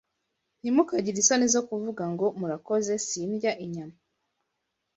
Ntimukagire isoni zo kuvuga ngo, “Murakoze, sindya inyama.